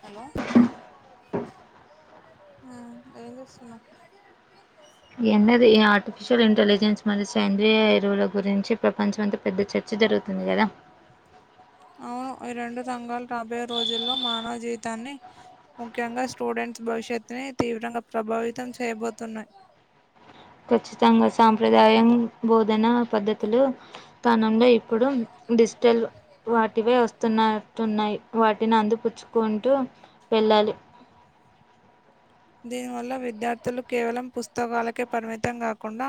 Hello మ్ ఎం చేస్తున్నావ్ ఎన్నది ఆర్టిఫిషియల్ ఇంటెలిజెన్స్ మరియు సేంద్రీయ ఎరువుల గురించి ప్రపంచం అంతా పెద్ద చర్చ జరుగుతుంది కదా అవును ఈ రెండు సంఘలు రాబోయే రోజుల్లో మానవ జీవితాన్ని ముఖ్యంగా స్టూడెంట్స్ బ భవిష్యత్తుని తీవ్రంగా ప్రభావితం చేయబోతున్నాయి ఖచ్చితంగా సాంప్రదాయం బోధన పద్ధతులు స్థానంలో ఎప్ ప్పుడు డిజిటల్ వాటివే వస్తున్నా తున్నాయి వాటిని అందిపుచ్చుకుంటూ వెళ్ళాలి దీని వల్ల విద్యార్థులు కేవలం పుస్తకాలకే పరిమితం కాకుండా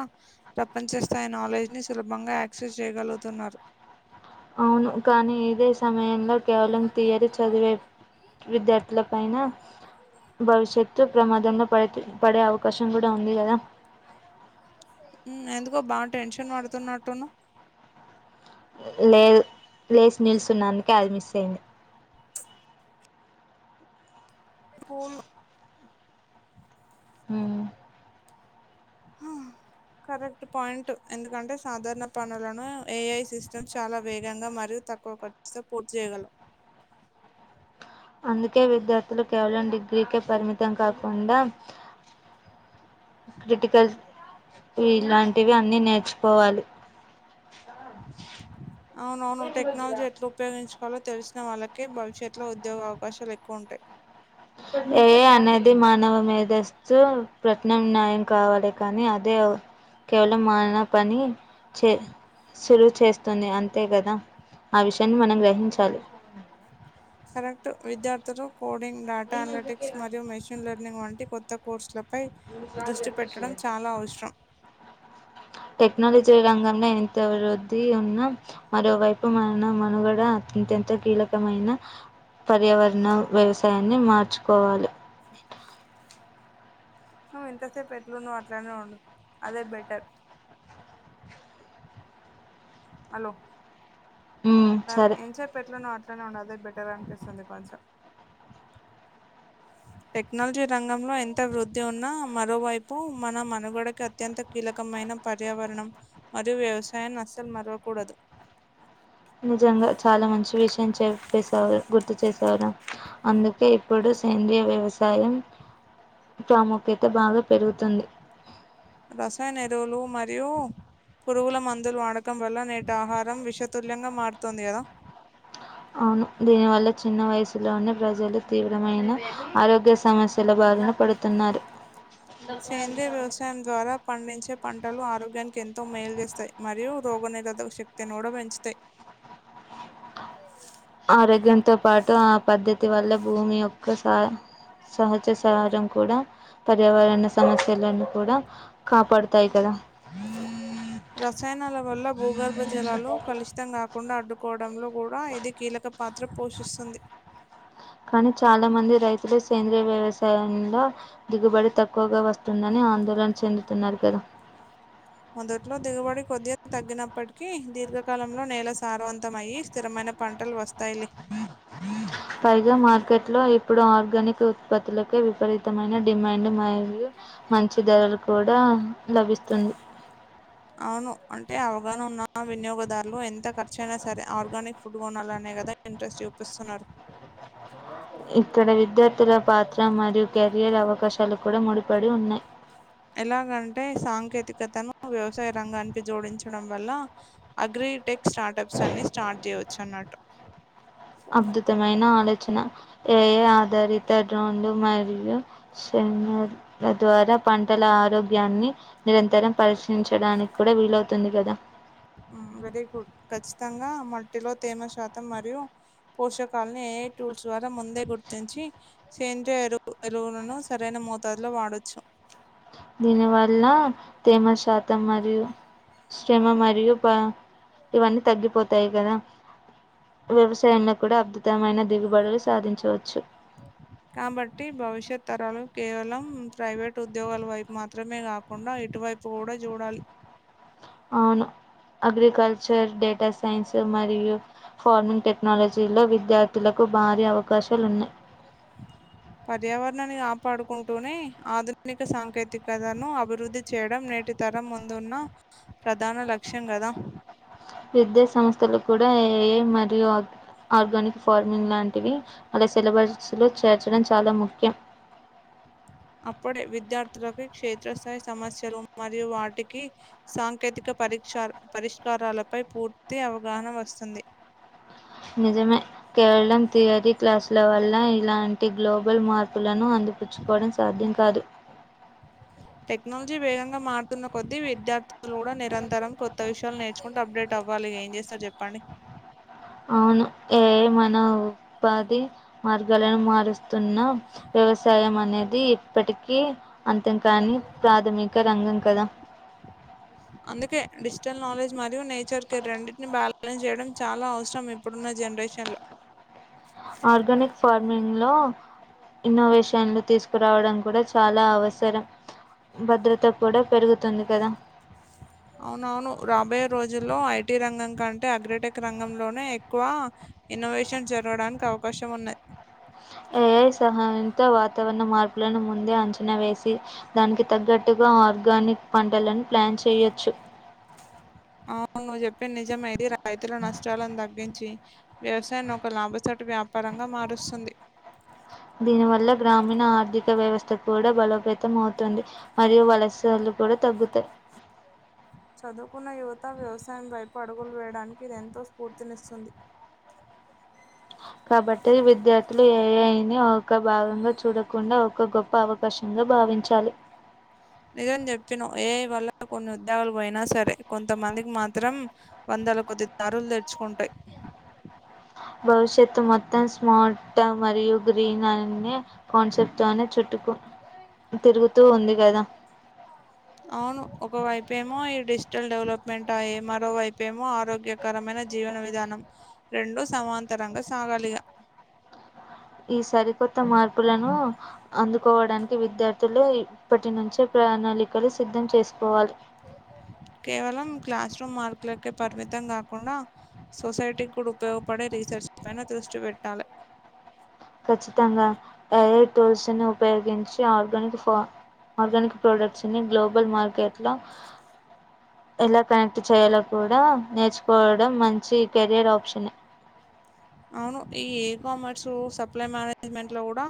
ప్రపంచ స్తాయి నాలెడ్జ్ ని సులభంగా యాక్సెస్ చేయగలుగుతున్నారు అవును కానీ ఇదే సమయంలో కేవలం తీయరి చదివే విద్యార్థుల పైన భవిష్యత్తు ప్రమాదంలో పడ్ పడే అవకాశం కూడా ఉంది కదా మ్ ఎందుకో బాగ టెన్షన్ పడుతున్నట్టున్నవ్ లేదు లేసి నిల్సున్న అందుకే అది మిస్ అయింది కూల్ మ్ హ కరెక్ట్ పాయింట్ ఎందుకంటే సాధారణ పనులను ఏఐ సిస్టమ్ చాలా వేగంగా మరి తక్కువ ఖర్చుతో పూర్తి చేయగలం అందుకే విద్యార్థులు కేవలం డిగ్రీకే పరిమితం కాకుండా క్రిటికల్ ఇలాంటివి అన్నిీ నేర్చుకోవాలి అవునువును టెక్నాలజీ ఎట్లు ఉపయోగించు కోవాలో తెలిసిన వాళ్ళకే భవిష్యత్లో ఉద్యోగ అవకాశాలు ఎక్కువ ఉంటాయి ఏఐ అనేది మానవ మీదస్తు ప్రగ్నం న్యయం కావాలి కానీ అదే కేవలం మన పని చే సులువు చేస్తుంది అంతే కదా ఆ విషయాన్ని మనం గ్రహించాలి కరెక్ట్ విద్యార్థులు కోడింగ్ డేటా అనాలెటిక్స్ మరియు మెషిన్ లెర్నింగ్ వం టి కొత్త కోర్సులపై దృష్టి పెట్టడం చాలా అవసరం టెక్నాలజీ రంగంలో ఎంత అభివృద్ధి ఉన్నా మరోవైపు మ మనుగడ అత్యత కీలక కమైన పర్యావరణ వ్యవసాయాన్ని మార్చుకోవాలి [inaudible] నువ్వు ఇంతసేపు ఎట్లు నువ్వు అట్లానే ఉండు అదే బెటర్ హలో సరే ఇంతసేపు ఏట్లున్నావో అదేబెటర్ అనిపిస్తుంది కొంచెం టెక్నాలజీ రంగంలో ఎంత వృద్ధి ఉన్నా మరోవైపు మన మనుగడకి అత్యంత కీలక మైన పర్యావరణం మరియు వ్యవసాయం అసలు మరవకూడదు నిజంగా చాలా మంచి విషయం చెప్పేసావ్ గుర్తు చేసారు అందుకే ఇప్పుడు సేంద్రీయ వ్యవసాయం ప్రాముఖ్యత బాగా పెరుగుతుంది రసాయన ఎరువులు మరియు పురుగుల మందులు వాడకం వల్ల నేటి ఆహారం విషతుల్యంగా మారుతోంది కదా అవును దీనివల్ల చిన్న వయసులోనే ప్రజలు తీవ్రమైన ఆరోగ్య సమస్యల బ భారిణ పడుతున్నారు సేంద్రీయ వ్యవసాయం ద్వారా పండించే పంటలు ఆరోగ్యానికి ఎంతో మేలు చేేస్తాయి మరియు రోగనిరోధక శక్తిని కూడా పెంచుతయ్ ఏ బదేదు ఆరోగ్యంతో పాటు ఆ పద్ధతి వల్ల భూమి యొక్క సా సహజ సహారం కూడా పర్యావరణ సమస్యలని కూడా కాపాడుతాయి కదా రసాయనాల వల్ల భూగర్భ జలాలు కలుషితం కాకుండా అడ్డు డంలో కూడా ఇది కీలక పాత్ర పోషిస్తుంది కానీ చాలా మంది రైతులు సేంద్రీయ వ్యవసాయంలో దిగుబడి తక్కువగా వస్తుందని ఆ ఆందోళన చెందుతున్నారు కదా మొదట్లో దిగుబడి కొద్ది తగ్గినప్పటికీ దీర్ఘకాలంలో నేల సారవంతమయ్యి స్థిరమైన పంటలు వస్తాయిలే పైగా మార్కెట్లో ఇప్పుడు ఆర్గానిక్ ఉత్పత్తులకే విపరీతమైన డిమాండ్ మరియు మంచి ధరలు కూడా లభిస్తుంది అవును. అంటే అవగాహన ఉన్న వినియోగదారులు ఎంత ఖర్చు అయినా సరే ఆర్గానిక్ ఫుడ్ కొనాలనే కదా ఇంట్రెస్ట్ చూపిస్ స్తున్నారు ఇక్కడ విద్యార్థుల పాత్ర మరియు కెరియర్ అవకాశాలు కూడా ముడిపడి ఉన్నాయ్ ఎలాగంటే సాంకేతికతను వ్యవసాయ రంగానికి జోడించడం వల్ల అగ్రిటెక్ స్టార్టప్స్ అన్ని స్టార్ట్ చేయవచ్చు అన్నట్టు అద్భుతమైన ఆలోచన ఏఐ ఆధారిత డ్రోన్లు మరియు యు సేనేర్త ద్వారా పంటల ఆరోగ్యాన్ని నిరంతరం పరశీలించడానికి కూడా వీలవుతుంది గదా హ్మ్. Very good. ఖచ్చితంగా మట్టిలో తేమ శాతం మరియు పోషకాలను ఏఐ టూల్స్ ద్వారా ముందే గుర్తించి సేంద్రియ ఎరువు ఎరువులను సరైన మోతాదులో వాడొచ్చు దీని వల్ల తేమ శాతం మరియు శ్రమ మరియు ప ఇవన్నీ తగ్గిపోతాయి కదా వ్యవసాయంలో కూడా అద్భుతమైన దిగుబడులు సాధించవచ్చు కాబట్టి భవిష్యత్ తరాలు కేవలం ప్రైవేట్ ఉద్యోగాల వైపు మాత్రమే కాకుండా ఇటువైపు గూడా జూడాలి అవును అగ్రికల్చర్ డేటా సైన్స్ మరియు ఫార్మింగ్ టెక్నాలజీ లో విద్యార్థులకు భారీ అవకాశాలున్నయ్ పర్యావరణాన్ని కాపాడుకుంటూనే ఆధునిక సాంకేతికతను అభివృద్ధి చేయడం నే టి తరం ముందున్న ప్రధాన లక్ష్యం కదా విద్యా సంస్థలు కూడా ఏఐ మరియు ఆర్గానిక్ ఫార్మింగ్ లాంటివి అల సిలబస్ లో చేర్చడం చాలా ముఖ్యం అప్పుడే విద్యార్థులకు క్షేత్రస్థాయి సమస్యలు మరియు వాటికి సాంకేతిక పరిక్షాలు పరిష్కారాలపై పూర్తి అవగాహన వస్తుంది నిజమే కేవలం థియరీ క్లాసుల వల్ల ఇలాంటి గ్లోబల్ మార్పులు లను అందిపుచ్చుకోవడం సాధ్యం కాదు హలో టెక్నాలజీ వేగంగా మారుతున్న కొద్ది విద్యార్థులు కూడా నిరంతరం కొత్త విషయాలు నేర్చుకుంట అప్డేట్ అవ్వాలి మీరు ఏం చేస్తారు చెప్పండి అవును ఏ మన ఉపాధి మార్గాలను మారుస్తున్న వ్యవసాయం అనేది ఇప్పటికీ అంతంకానీ ప్రాథమిక రంగం కదా జనరల్ నాలెడ్జ్ మరియు నేచర్ కి రెండింటిని బ్యాలెన్స్ చేయడం చాలా అవసరం ఇప్పుడున్న జనరేషన్ లో నో సౌండ్ ఆర్గానిక్ ఫార్మర్ లో ఇన్నోవేషన్లు తీసుకురావడం కూడా చాలా అవసరం భద్రత కూడా పెరుగుతుంది కదా అవునవును రాబోయే రోజుల్లో ఐటి రంగం కంటే అగ్రటెక్ రంగంలోనే ఎక్కువ ఇన్నోవేషన్ జరగడానికి అవకాశం ఉన్నది ఏఐ సహాయంతో వాతావరణ మార్పులను ముందే అంచనా వేసి దానికి తగ్గట్టుగా ఆర్గానిక్ పంటలను ప్లాన్ చేయొచ్చు అవును నువ్వు చెప్పింది నిజమే ఇది రైతుల నష్టాలను తగ్గించి వ్యవసాయాన్ని ఒక లాభసాటి వ్యాపారంగా మారుస్తుంది దీని వల్ల గ్రామీణ ఆర్థిక వ్యవస్థ కూడా బలోపేతం అవుతుంది మరియు వలసలు కూడా తగ్గుతాయి వ్యవసాయంలోన చదువుకున్న యువత వ్యవసాయంపైపు అడుగులు వేయడానికి ఇది ఎంతో స్ఫూర్తినిస్తుంది చదువుకున్న యువత వ్యవసాయంలో కాబట్టి విద్యార్థులు ఏఐని ఒక భాగంగా చూడకుండా ఒక గొప్ప అవకాశంగా భావించాలి అవునా నిజం చెప్పినవ్ ఏ ఐ వల్ల కొన్ని ఉద్యోగాలు పోయినా సరే కొంతమందికి మాత్రం ఇందులో కొద్దిగా తారులు తెచుకుంటాయి భవిష్యత్తు మొత్తం స్మార్ట్ మరియు గ్రీన్ అనే కాన్సెప్ట్ చుట్టుకు తిరుగుతూ ఉంది కదా అవును ఒక వైపు ఏమో ఈ డిస్ ఫ్యూచర్ డెవలప్మెంట్ అయ్యే మరోవైపేమో ఆరోగ్యకరమైన జీవన విధానం రెండు సమాంత అంతరంగా సాగాలిగా ఈ సరికొత్త మార్పులను అందుకోవడానికి విద్యార్థులు ఇప్పటి నుంచే ప్రణాళికలు సిద్ధం చేసుకోవాలి ఓహో కేవలం క్లాస్ రూమ్ మార్కులకే పరిమితం కాకుండా సొసైటీ కూడా ఉపయోగపడే రీసెర్చ్ పైన దృష్టి పెట్టాలే ఖచ్చితంగా ఎర్ టూల్స్ ఉపయోగించి ఆర్గానిక్ ఆర్గానిక్ ప్రోడక్ట్ ని గ్లోబల్ మార్కెట్ లో ఎలా కనెక్ట్ చేయాలో కూడా నేర్చుకోవడం మంచి కెరియర్ ఆప్షన్ మంచి అవును ఈ కామర్స్ సప్ల మేనేజ్మెంట్ లో కూడా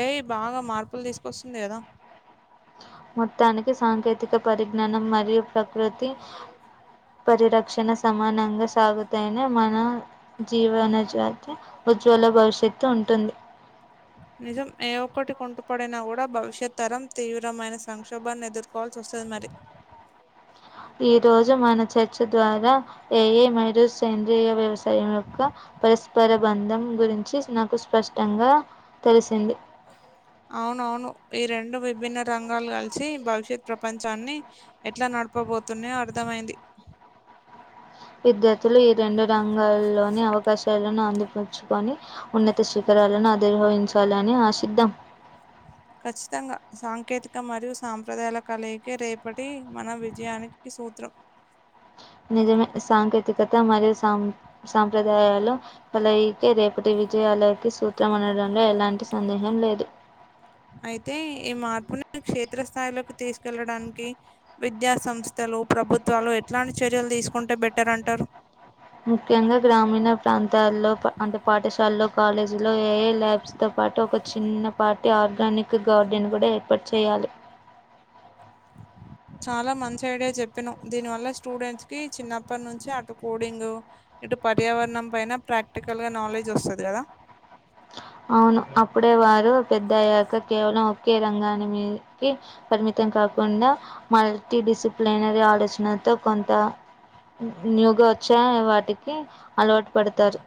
ఏ ఐ బాగా మార్పులు తీసుకొస్తుంది కదా మొత్తానికి సాంకేతిక పరిజ్ఞానం మరియు ప్రకృతి పరిరక్షణ సమానంగా సాగుతనే మన జీవన జాతి ఉజ్వల భవిష్యత్తు ఉంటుంది నిజం ఏ ఒక్కటి కుంటుపడినా కూడా భవిష్యత్ తరం తీవ్రమైన సంక్షోభాన్ని ఎదుర్కోవాల్ సోస్తది మరి ఈ రోజు మన చర్చ ద్వారా ఏయే మైరు సేంద్రీయ వ్యవస్ా యొక్క పరస్పర బంధం గురించి స్పష్టంగా తెలిసింది అవునవును ఈ రెండు విభిన్న రంగాలు కలిసి భవిష్యత్ ప్రపంచాన్ని ఎట్లా న నడుపబోతునే అర్థమైంది విద్యార్థులు ఈ రెండు రంగాల్లోని అవకాశాలను అందిపుంచుకొని ఉన్నత శిఖ ాలను ఆదిర్భవించాలని ఆశిద్ద్దాం ఖచ్చితంగా సాంకేతిక మరియు సాంప్రదాయాల కలయికే రేపటి మన విజయానికి సూత్రం నిజమే సాంకేతికత మరియు సా సాంప్రదాయాలు కలయికే రేపటి విజయాలకి సూత్రం అనడంలో ఎలాంటి సందేహం లేదు అయితే ఈ మార్పుని క్షేత్రస్థాయిలోకి తీసుకెళ్లడానికి విద్యా సంస్థ ప్రభుత్వాలు ఎట్లాంటి చర్యలు తీసుకుంటే బెటర్ అంటారు ముఖ్యంగా గ్రామీణ ప్రాంతాల్లో అంటే పాఠశాలల్లో కాలేజీ లో ఏఐ ల్యాబ్స్ తో పాటు ఒక చిన్నపాటి ఆర్గానిక్ గార్డెన్ కూడా ఏర్పాటు చేయాలి చాలా మంచి ఐడియా చెప్పినవ్ దీని వల్ల స్టూడెంట్స్ కి చిన్నప్పటి నుంచి అటు కోడింగ్ ఇటు పర్యావరణం పైన ప్రాక్టికల్ గా నాలెడ్జ్ వస్తది కదా అవును అప్పుడే వారు పెద్ద అయ్యాక కేవలం ఒకే రంగాని మీదికి పరిమితం కా కాకుండా మల్టీ డిసిప్లినరీ ఆలోచనతో కొంత న్యూగా వచ్చా వాటికి అలవాటు పడుతారు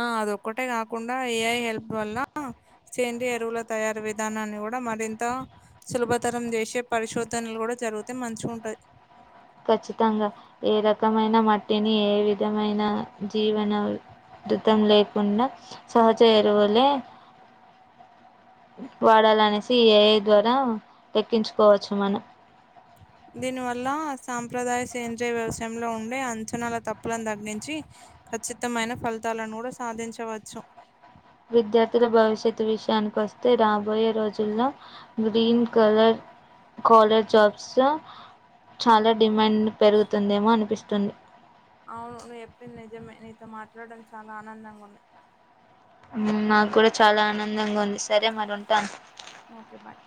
ఆ అది ఒక్కటే కాకుండా ఏఐ హెల్ప్ వల్ల సేంద్రియ ఎరువుల తయారి విధానాన్ని కూ డా మరింత సులభతరం చేసే పరిశోధనలు కూడా జరుగుతే మంచిగ ఉంటాయి ఖచ్చితంగా ఏ రకమైన మట్టిని ఏ విధమైన జీవన తం లేకుండా సహజ ఎరువులే వాడాలనేసి ఈ ఏఐ ద్వారా లెక్కించుకోవచ్చు మనం దీని వల్ల సాంప్రదాయ సేంద్రయ వ్యవసాయంలో ఉండే అంచనాల తప్పులను తగ్గించి ఖచ్చితమైన ఫలితాలను కూడా సాధించవచ్చు విద్యార్థుల భవిష్యత్ విషయానికోస్తే రాబోయే రోజుల్లో గ్రీన్ కలర్ కాలేజ్ జాబ్స్ లో చాలా డిమాండ్ పెరుగుతుందేమో అనిపిస్తుంది అవును నువ్ చెప్పింది నిజమే నీతో మాట్లాడడం చాలా ఆనందంగా ఉంది మ్ నాకు కూడా చాలా ఆనందంగా ఉంది సరే మరి ఉంటాను ఓకే బాయ్